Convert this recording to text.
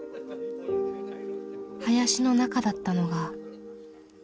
林の中だったのが。